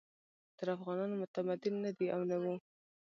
تر افغانانو متمدن نه دي او نه وو.